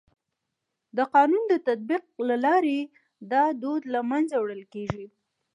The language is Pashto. د قانون د تطبیق له لارې دا دود له منځه وړل کيږي.